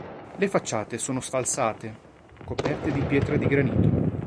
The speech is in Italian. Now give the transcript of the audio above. Le facciate sono sfalsate, coperte di pietra di granito.